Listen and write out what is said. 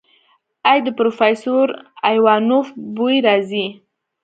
ای د پروفيسر ايوانوف بوئ راځي.